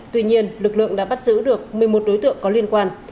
tuy nhiên lực lượng đã bắt giữ được một mươi một đối tượng có liên quan